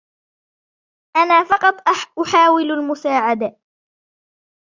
أنا فقط أحاول المساعدة.